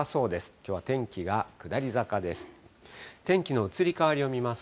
きょうは天気が下り坂です。